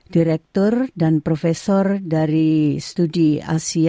direktur dan profesor dari studi asia